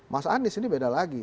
mas anies ini beda lagi